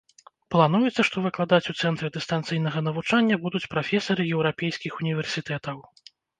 Плануецца, што выкладаць у цэнтры дыстанцыйнага навучання будуць прафесары еўрапейскіх універсітэтаў.